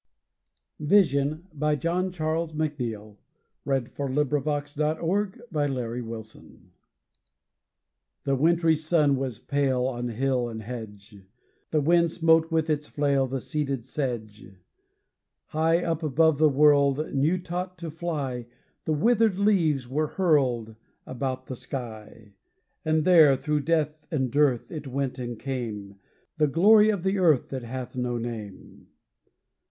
rless thorn, How hot the tears that smiles and scorn Had held unwept. Vision The wintry sun was pale On hill and hedge; The wind smote with its flail The seeded sedge; High up above the world, New taught to fly, The withered leaves were hurled About the sky; And there, through death and dearth, It went and came, The Glory of the earth That hath no name.